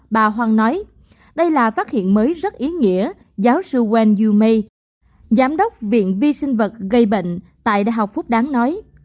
bà hoàng nói đây là phát hiện mới rất ý nghĩa giáo sư wan yume giám đốc viện vi sinh vật gây bệnh tại đại học phúc đáng nói